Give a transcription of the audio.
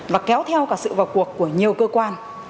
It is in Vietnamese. mà kéo theo cả sự vào cuộc của nhiều cơ quan